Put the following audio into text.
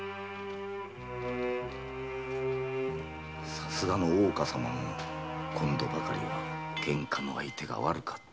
さすがの大岡様も今度ばかりはケンカの相手が悪かった。